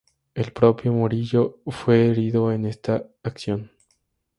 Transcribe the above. El propio Morillo fue herido en esta acción.